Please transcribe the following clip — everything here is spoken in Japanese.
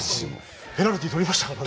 ペナルティーとりましたからね。